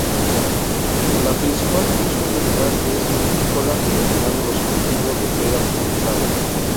La principal producción del lugar es frutícola, predominando los cultivos de peras y manzanas.